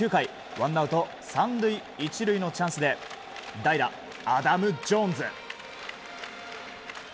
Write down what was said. ワンアウト３塁１塁のチャンスで代打、アダム・ジョーンズ。